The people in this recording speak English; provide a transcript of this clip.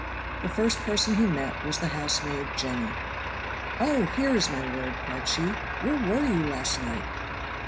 The first person he met was the housemaid, Jenny. "Oh, here is my lord!" cried she. "Where were you last night?"